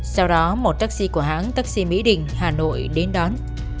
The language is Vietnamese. sau đó một taxi của hãng taxi mỹ đình hà nội đến đón